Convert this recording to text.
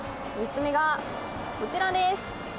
３つ目がこちらです。